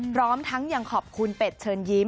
พร้อมทั้งยังขอบคุณเป็ดเชิญยิ้ม